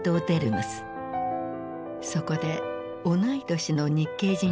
そこで同い年の日系人